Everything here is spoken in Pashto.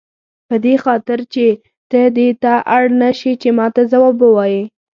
په دې خاطر چې ته دې ته اړ نه شې چې ماته ځواب ووایې.